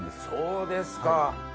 そうですか。